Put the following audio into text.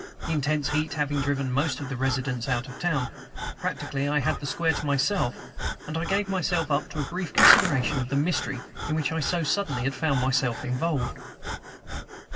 The intense heat having driven most of the residents out of town, practically I had the square to myself, and I gave myself up to a brief consideration of the mystery in which I so suddenly had found myself involved.